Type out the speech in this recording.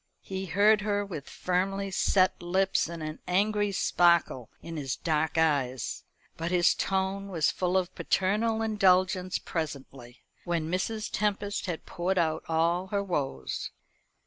He heard her with firmly set lips and an angry sparkle in his dark eyes, but his tone was full of paternal indulgence presently, when Mrs. Tempest had poured out all her woes.